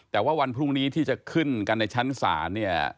แต่ว่าวันพรุ่งนี้ที่จะขึ้นกันในชั้นศาลเนี่ย